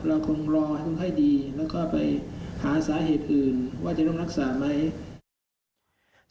เราคงรอให้ดีแล้วก็ไปหาสาเหตุอื่นว่าจะต้องรักษาไหม